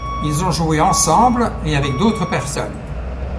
Ils ont joué ensemble et avec d'autres personnes.